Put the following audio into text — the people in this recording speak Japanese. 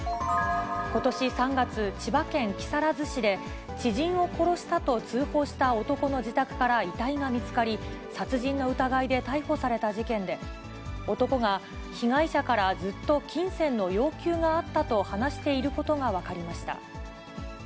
ことし３月、千葉県木更津市で、知人を殺したと通報した男の自宅から遺体が見つかり、殺人の疑いで逮捕された事件で、男が、被害者からずっと金銭の要求があったと話していることが分かりました。